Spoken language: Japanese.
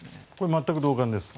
全く同感です。